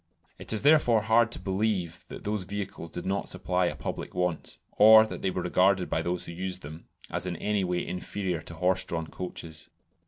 It is therefore hard to believe that these vehicles did not supply a public want, or that they were regarded by those who used them as in any way inferior to horse drawn coaches.